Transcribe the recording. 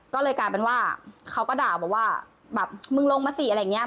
ก็เลยกลายเป็นว่าเขาก็ด่าบอกว่าแบบมึงลงมาสิอะไรอย่างนี้